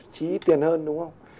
chí ít tiền hơn đúng không